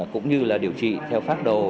cũng như là điều trị theo phát đồ